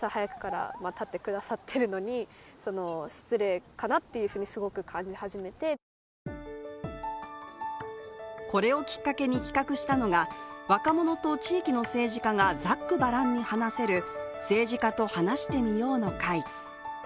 しかし、１５歳の通学中に気がついたことがこれをきっかけに企画したのが若者と地域の政治家がざっくばらんに話せる政治家と話してみようの会。